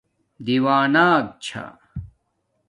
دیݸک چھݳ